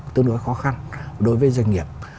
tương đối khó khăn đối với doanh nghiệp